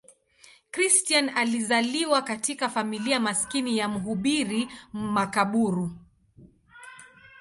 Christian alizaliwa katika familia maskini ya mhubiri makaburu.